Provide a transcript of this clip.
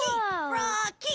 ロッキー。